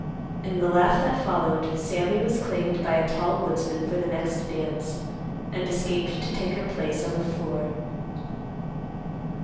In the laugh that followed, Sammy was claimed by a tall woodsman for the next dance, and escaped to take her place on the floor.